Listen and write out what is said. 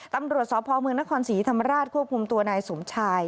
ตำรวจสพเมืองนครศรีธรรมราชควบคุมตัวนายสมชาย